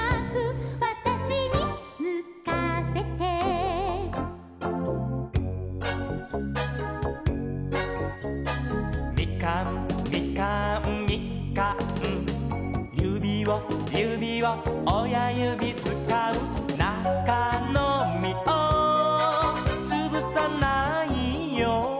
「わたしにむかせて」「みかんみかんみかん」「ゆびをゆびをおやゆびつかう」「なかのみをつぶさないように」